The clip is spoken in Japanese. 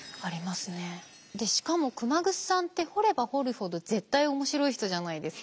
しかも熊楠さんって掘れば掘るほど絶対面白い人じゃないですか。